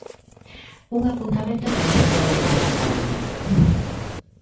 Un apuntamento relacionado con Cataluña.